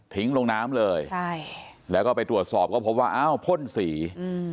ลงน้ำเลยใช่แล้วก็ไปตรวจสอบก็พบว่าอ้าวพ่นสีอืม